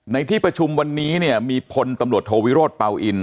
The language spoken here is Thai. ในที่ประชุมวันนี้เนี่ยมีพลตำรวจโทวิโรธเปล่าอิน